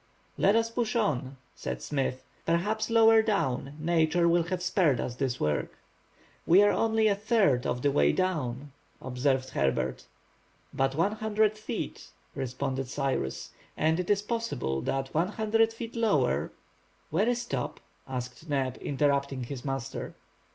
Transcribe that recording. "Let us push on," said Smith. "Perhaps lower down, nature will have spared us this work." "We are only a third of the way down," observed Herbert. "But 100 feet," responded Cyrus; "and it is possible that 100 feet lower—." "Where is Top?" asked Neb, interrupting his master.